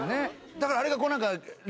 だからあれが。